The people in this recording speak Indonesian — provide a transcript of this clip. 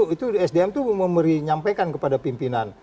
itu sdm itu memberi nyampaikan kepada pimpinan